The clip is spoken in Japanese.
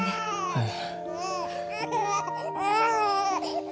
はい。